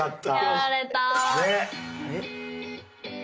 やられた。ね！